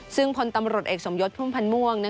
ซึ่งพลตำรวจเอกสมยศพุ่มพันธ์ม่วง